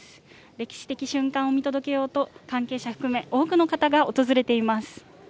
歴史的瞬間を見届けようと関係者含め多くの方が訪れています。